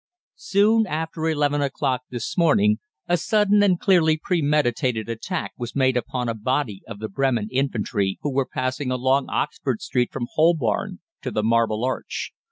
"Soon after eleven o'clock this morning a sudden and clearly premeditated attack was made upon a body of the Bremen infantry, who were passing along Oxford Street from Holborn to the Marble Arch.